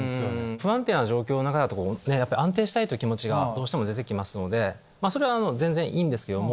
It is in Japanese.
不安定な状況の中だとやっぱり安定したいという気持ちがどうしても出て来ますのでそれは全然いいんですけども。